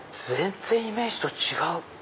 全然イメージと違う！